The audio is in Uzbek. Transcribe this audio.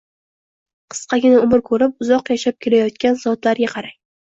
Qisqagina umr ko’rib, uzoq yashab kelayotgan zotlarga qarang…